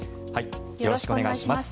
よろしくお願いします。